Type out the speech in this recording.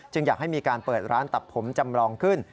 อยากให้มีการเปิดร้านตัดผมจำลองขึ้น